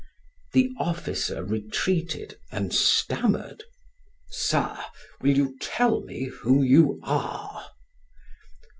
The officer retreated and stammered: "Sir, will you tell me who you are?"